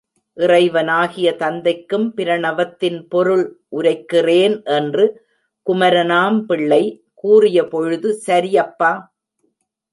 இறைவனாகிய தந்தைக்கும் பிரணவத்தின் பொருள் உரைக்கிறேன் என்று குமரனாம் பிள்ளை.கூறியபொழுது, சரி அப்பா!